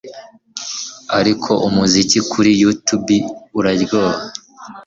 Ariko umuziki kuri yutubi uraryoha